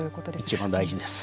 一番大事です。